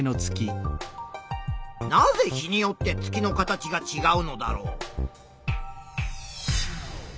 なぜ日によって月の形がちがうのだろう？